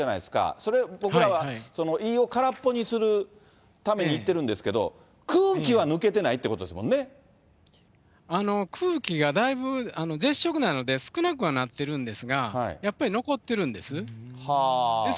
それ僕らは胃を空っぽにするために言ってるんですけど、空気は抜空気がだいぶ、絶食なので、少なくはなってるんですが、やっぱり残ってるんです。